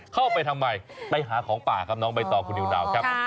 เข้าไปทำไมไปหาของป่าครับน้องใบตองคุณนิวนาวครับ